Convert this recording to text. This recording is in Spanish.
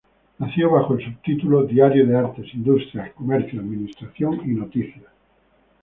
Nació bajo el subtítulo "Diario de artes, industria, comercio, administración y noticias".